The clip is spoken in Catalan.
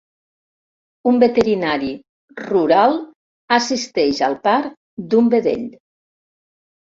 Un veterinari rural assisteix al part d'un vedell.